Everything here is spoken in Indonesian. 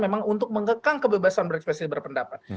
memang untuk mengekang kebebasan berespresi dan berpendapat